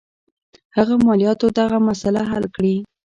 هغه مالیاتو دغه مسله حل کړي.